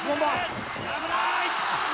危ない！